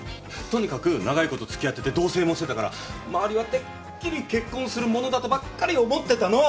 とにかく長いこと付き合ってて同棲もしてたから周りはてっきり結婚するものだとばっかり思ってたの。